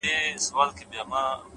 هره هیله د حرکت غوښتنه کوي,